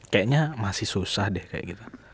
kayaknya masih susah deh kayak gitu